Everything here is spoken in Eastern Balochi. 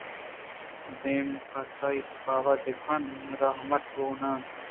دم پہ ساعت باور بہ کن راہ مٹ بوہان اِنت